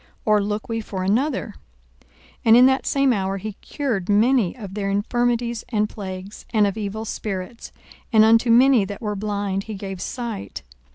or look we for another? 42:007:021 And in that same hour he cured many of their infirmities and plagues, and of evil spirits; and unto many that were blind he gave sight.